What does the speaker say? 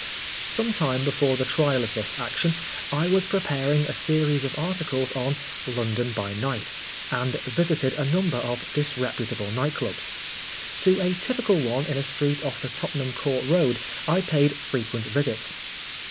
Some time before the trial of this action, I was preparing a series of articles on London by Night, and visited a number of disreputable night clubs. To a typical one in a street off the Tottenham Court Road, I paid frequent visits.